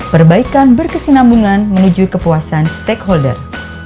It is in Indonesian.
perbaikan berkesinambungan menuju kepuasan stakeholder